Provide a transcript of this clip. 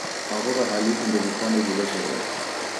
Aw'o w'ahalifu ndew'ifwane w'ilekerelo.